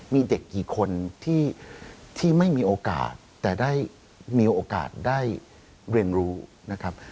มีเด็กกี่คนที่ไม่มีโอกาสแต่ได้มีโอกาสได้เรียนรู้นะครับ